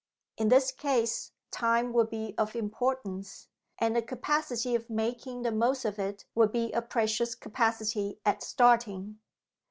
In this case time would be of importance, and the capacity of making the most of it would be a precious capacity at starting.